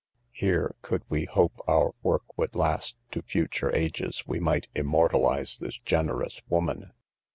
Here, could we hope our work would last to future ages, we might immortalize this generous woman.